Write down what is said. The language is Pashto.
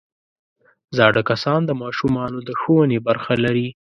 زاړه کسان د ماشومانو د ښوونې برخه لري